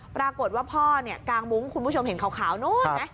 ปรากฏว่าพ่อเนี่ยกางมุ้งคุณผู้ชมเห็นขาวนู้นไหม